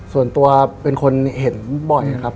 ส่วนตัวเป็นคนเห็นบ่อยครับ